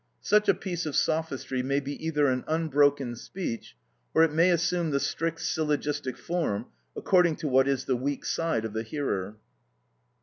Such a piece of sophistry may be either an unbroken speech, or it may assume the strict syllogistic form, according to what is the weak side of the hearer.